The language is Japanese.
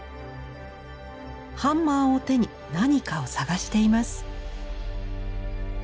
ハンマーを手に何かを探しています。